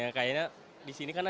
apa namanya acara musiknya